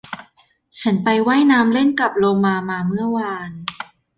ฉันไปว่ายน้ำเล่นกับโลมามาเมื่อวาน